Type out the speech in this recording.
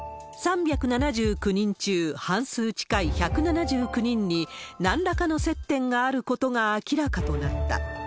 ３７９人中、半数近い１７９人に、なんらかの接点があることが明らかとなった。